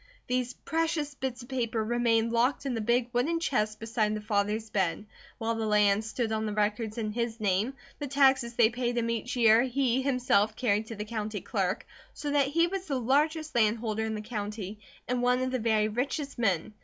These precious bits of paper remained locked in the big wooden chest beside the father's bed, while the land stood on the records in his name; the taxes they paid him each year he, himself, carried to the county clerk; so that he was the largest landholder in the county and one of the very richest men.